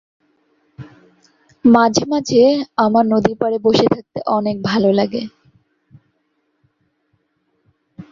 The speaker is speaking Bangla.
মূলত এটি মাদারগঞ্জ উপজেলার সবচেয়ে গুরুত্বপূর্ণ অর্থনৈতিক, বাণিজ্যিক, সাংস্কৃতিক, রাজনৈতিক ও প্রশাসনিক এলাকা।